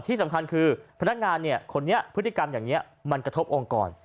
ที่สำคัญคือพนักงานคนนี้พฤติกรรมอย่างนี้มันกระทบองค์กร